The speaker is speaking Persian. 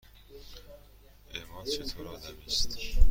اِما چطور آدمی است؟